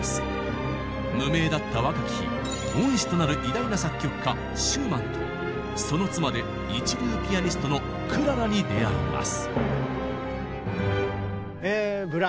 無名だった若き日恩師となる偉大な作曲家シューマンとその妻で一流ピアニストのクララに出会います。